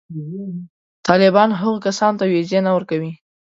طالبان هغو کسانو ته وېزې نه ورکوي.